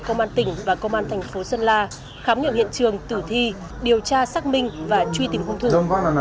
công an tỉnh và công an thành phố sơn la khám nghiệm hiện trường tử thi điều tra xác minh và truy tìm hung thủ